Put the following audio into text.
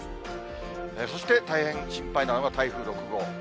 そして、大変心配なのが台風６号。